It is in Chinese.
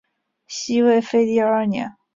西魏废帝二年。